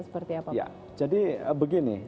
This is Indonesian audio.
seperti apa pak jadi begini